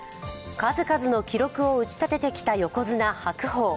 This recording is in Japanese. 数々の記録を打ち立ててきた横綱・白鵬。